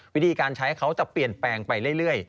วิธีการใช้เขาจะเปลี่ยนแปลงไปเรื่อย